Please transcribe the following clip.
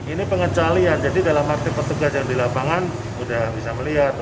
ini pengecualian jadi dalam arti petugas yang di lapangan sudah bisa melihat